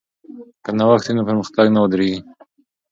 که نوښت وي نو پرمختګ نه ودریږي.